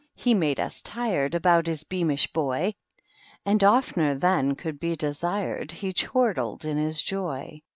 he made us tired About his beamish boy ; And oftener than could be desired He chortled in his joy.